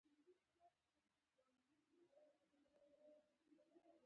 هغه غنایم یې غزني ته را ولیږدول.